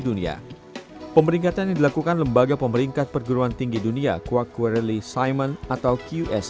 dunia pemeringkatan dilakukan lembaga pemeringkat perguruan tinggi dunia kuak kureli simon atau qs